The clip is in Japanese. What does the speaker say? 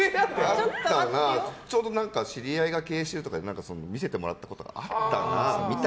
ちょうど知り合いが経営してるとかで見せてもらったことがあったんですよ。